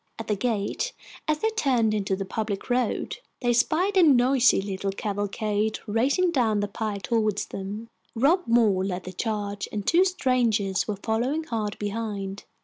At the gate, as they turned into the public road, they spied a noisy little cavalcade racing down the pike toward them. Rob Moore led the charge, and two strangers were following hard behind.